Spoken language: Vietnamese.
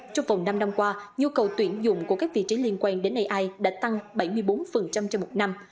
trong vòng năm năm qua nhu cầu tuyển dụng của các vị trí liên quan đến ai đã tăng bảy mươi bốn trên một năm